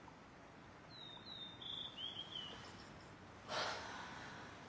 はあ。